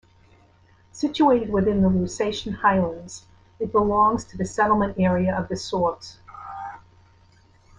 Situated within the Lusatian Highlands, it belongs to the settlement area of the Sorbs.